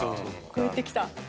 超えてきた。